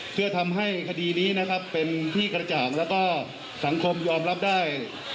เพื่อทำให้คดีนี้นะครับเป็นที่กระจ่างแล้วก็สังคมยอมรับได้